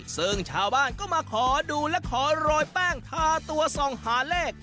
ซึ่งชาวบ้านก็มาขอดูและขอโรยแป้งทาตัวส่องหาเลข